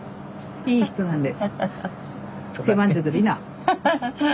いい人なんです。